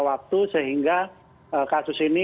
waktu sehingga kasus ini